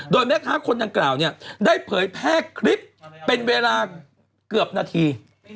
โดยแม่ค้าคนดังกล่าวเนี่ยได้เผยแพร่คลิปเป็นเวลาเกือบนาที